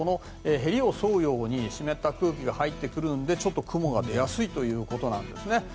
へりを沿うように湿った空気が入ってくるので雲が出やすいということです。